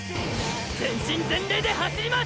全身全霊で走ります！